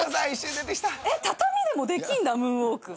えっ畳でもできるんだムーンウォーク。